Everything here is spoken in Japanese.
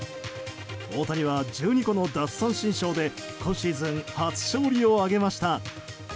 大谷は１２個の奪三振ショーで今シーズン初勝利を挙げました。